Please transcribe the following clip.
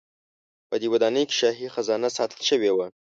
په دې ودانۍ کې شاهي خزانه ساتل شوې وه.